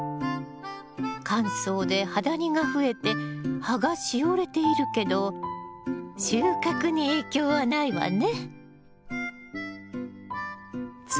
乾燥で葉ダニが増えて葉がしおれているけど収穫に影響はないわね。